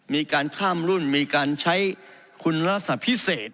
มีการข้ามรุ่นมีการใช้คุณลักษณะพิเศษ